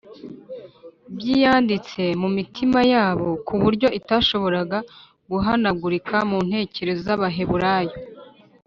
byiyanditse mu mitima yabo ku buryo itashoboraga guhanagurika mu ntekerezo z’abaheburayo.